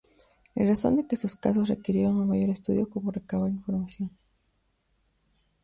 En razón de que sus casos requirieron un mayor estudio como recabar información.